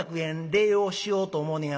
礼をしようと思うねや」。